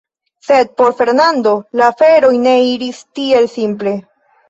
Sed por Fernando la aferoj ne iris tiel simple.